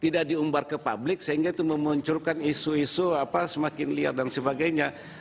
tidak diumbar ke publik sehingga itu memunculkan isu isu semakin liar dan sebagainya